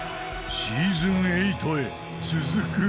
シーズン８へ続く？